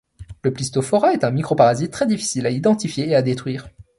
Le plistophora est un micro-parasite très difficile à identifier et à détruire.